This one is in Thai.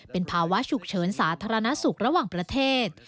เป็นภาวะฉุกเฉินสาธารณสุขระหว่างประเทศ